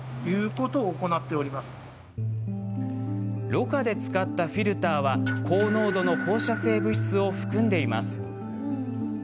ろ過で使ったフィルターは高濃度の放射性物質を含んでいます。